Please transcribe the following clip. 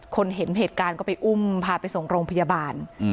เห็นเหตุการณ์ก็ไปอุ้มพาไปส่งโรงพยาบาล